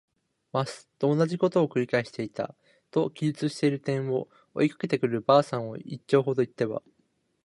ます。」とおなじことを「くり返していた。」と記述している点を、追いかけてくる婆さんを一町ほど行っては